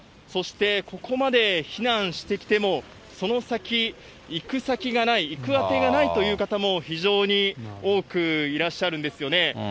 そしてここまで避難してきても、その先、行く先がない、行くあてがないという方も、非常に多くいらっしゃるんですよね。